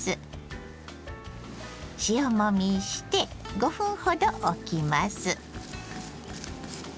塩もみして５分ほどおきます。